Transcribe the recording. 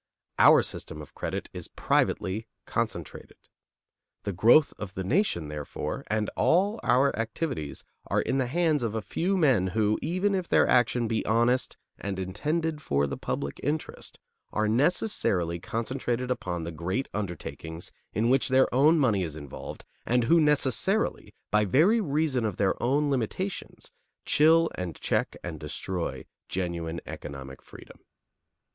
Our system of credit is privately concentrated. The growth of the nation, therefore, and all our activities are in the hands of a few men who, even if their action be honest and intended for the public interest, are necessarily concentrated upon the great undertakings in which their own money is involved and who necessarily, by very reason of their own limitations, chill and check and destroy genuine economic freedom.